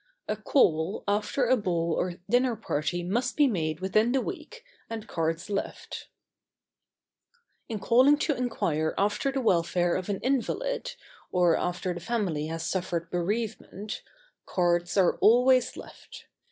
A call after a ball or dinner party must be made within the week, and cards left. [Sidenote: Sickness and death.] In calling to inquire after the welfare of an invalid, or after the family has suffered bereavement, cards are always left.